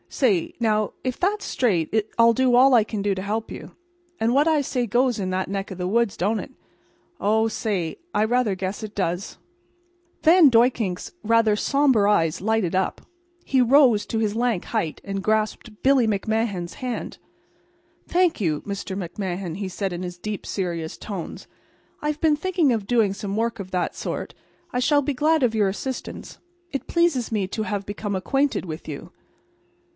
Say, now, if that's straight I'll do all I can to help you. And what I says goes in that neck of the woods, don't it? Oh, say, I rather guess it does." Van Duyckink's rather sombre eyes lighted up. He rose to his lank height and grasped Billy McMahan's hand. "Thank you, Mr. McMahan," he said, in his deep, serious tones. "I have been thinking of doing some work of that sort. I shall be glad of your assistance. It pleases me to have become acquainted with you."